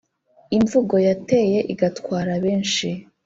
imvugo yateye igatwara benshi